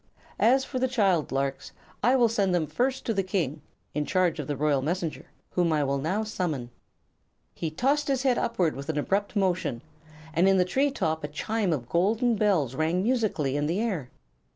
As for the child larks, I will send them first to the King, in charge of the Royal Messenger, whom I will now summon." He tossed his head upward with an abrupt motion, and in the tree top a chime of golden bells rang musically in the air.